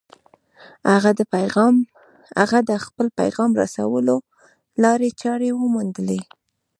هغه د خپل پيغام رسولو لارې چارې وموندلې.